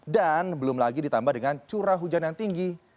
dan belum lagi ditambah dengan curah hujan yang tinggi